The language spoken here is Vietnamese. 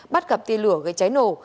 bắt gặp tiên lửa gây cháy nổ